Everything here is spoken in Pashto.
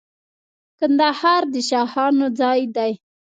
کندهار د شاهانو ځای دی.